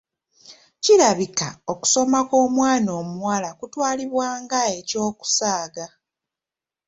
Kirabika okusoma kw'omwana omuwala kutwalibwa nga eky'okusaaga.